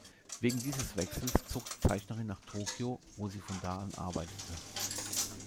Wegen dieses Wechsels zog die Zeichnerin nach Tokio, wo sie von da an arbeitete.